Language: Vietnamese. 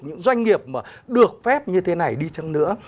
những doanh nghiệp mà được phép như thế này đi chăng nữa